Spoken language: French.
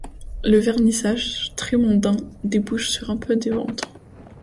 Le vernissage, très mondain, débouche sur peu de ventes.